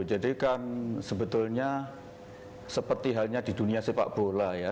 jadi kan sebetulnya seperti halnya di dunia sepak bola ya